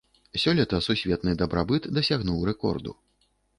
Сёлета сусветны дабрабыт дасягнуў рэкорду.